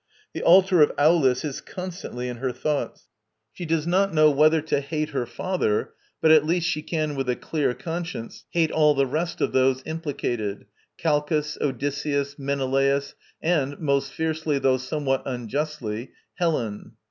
The altar of Aulis is constantly in her thoughts. She does not know whether to hate her father, but at least she can with a clear conscience hate all the rest of those implicated, Calchas, Odysseus, Menelaus, and most fiercely, though somewhat unjustly, Helen.